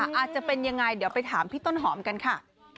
อาจจะเป็นยังไงเดี๋ยวไปถามพี่ต้นหอมกันค่ะ